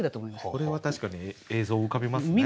これは確かに映像浮かびますね。